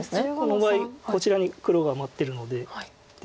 この場合こちらに黒が待ってるので。